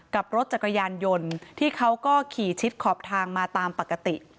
กับรถจักรยานยนต์ที่เขาก็ขี่ชิดขอบทางมาตามปกติ